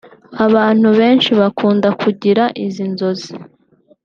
Abantu benshi bakunda kugira izi nzozi